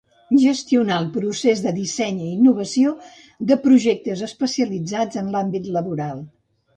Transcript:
Gestionar el procés de disseny i innovació de projectes especialitzats en l'àmbit laboral.